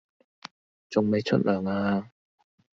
仲未出糧呀